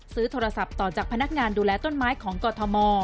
ซื้อโทรศัพท์ต่อจากพนักงานดูแลต้นไม้ของกรทม